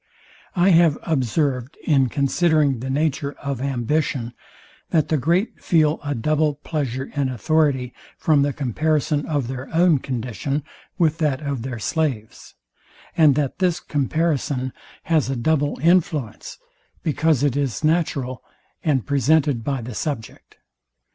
I have observed in considering the nature of ambition, that the great feel a double pleasure in authority from the comparison of their own condition with that of their slaves; and that this comparison has a double influence, because it is natural, and presented by the subject.